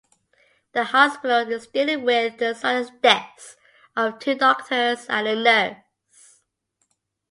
The hospital is dealing with the sudden deaths of two doctors and a nurse.